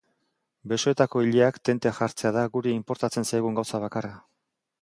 Besoetako ileak tente jartzea da guri inportatzen zaigun gauza bakarra.